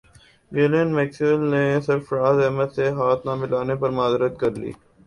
Glenn Maxwell نے سرفراز احمد سے ہاتھ نہ ملانے پر معذرت کر لی